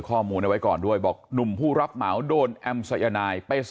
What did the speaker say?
ข้อมูลเอาไว้ก่อนด้วยบอกหนุ่มผู้รับเหมาโดนแอมสายนายไป